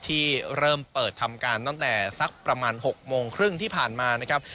ที่เริ่มเปิดทำการตั้งแต่สักประมาณ๖โมงครึ่งที่ผ่านมานะครับ